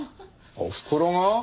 おふくろが？